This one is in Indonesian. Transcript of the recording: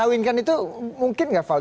mengawinkan itu mungkin enggak val